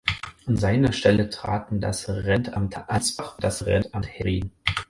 An seine Stelle traten das Rentamt Ansbach und das Rentamt Herrieden.